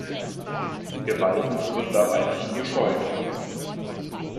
Gewalt wird dabei nicht gescheut.